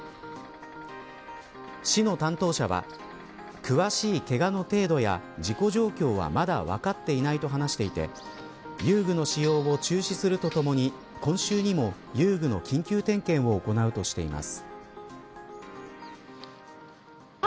市の担当者は詳しいけがの程度や事故状況はまだ分かっていないと話していて遊具の使用を中止するとともに今週にも遊具の緊急点検を行うとしています。